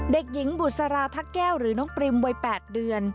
เด็กหญิงบุษราทักแก้วหรือน้องปริมวัย๘เดือน